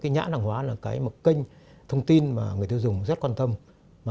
nhãn hàng hóa là một kênh thông tin mà người tiêu dùng rất quan tâm